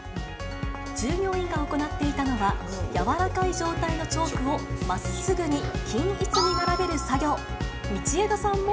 従業員が行っていたのは、やわらかい状態のチョークをまっすぐに均一に並べる作業。